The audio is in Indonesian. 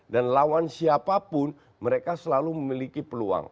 dan lawan siapapun mereka selalu memiliki peluang